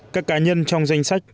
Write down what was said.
các cá nhân trong danh sách